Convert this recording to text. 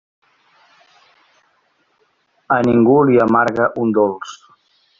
A ningú li amarga un dolç.